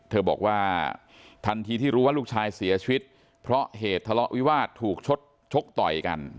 เธอบอกว่าทันทีที่รู้ว่าลูกชายเสียชีวิตเพราะเหตุทะเลาะวิวาสถูกชดชกต่อยกัน